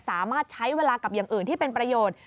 สามารถใช้เวลากับอย่างอื่นที่เป็นประโยชน์